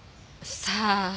さあ。